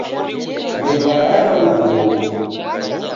Mbewa ranona nguwo